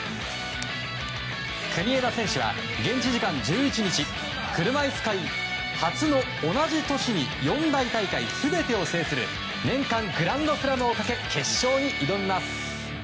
国枝選手は、現地時間１１日車いす界初の同じ年に四大大会全てを制する年間グランドスラムをかけ決勝に挑みます。